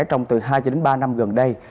trong từ hai ba năm gần đây